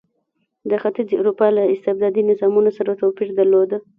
د ختیځې اروپا له استبدادي نظامونو سره توپیر درلود.